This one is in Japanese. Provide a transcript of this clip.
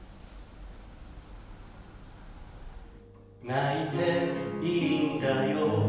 「泣いていいんだよ」